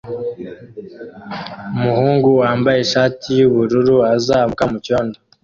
Umuhungu wambaye ishati yubururu azamuka mucyondo